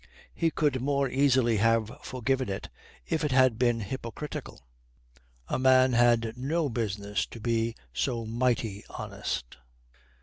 He could more easily have forgiven it if it had been hypocritical. A man had no business to be so mighty honest.